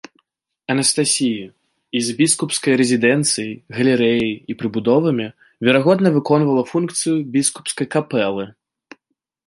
Анастасіі і з біскупскай рэзідэнцыяй галерэяй і прыбудовамі, верагодна, выконвала функцыю біскупскай капэлы.